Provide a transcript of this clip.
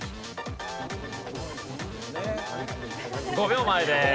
５秒前です。